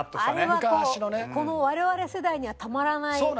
あれはこの我々世代にはたまらない。